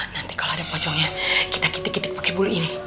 nanti kalau ada pocongnya kita kitik kitik pakai bulu ini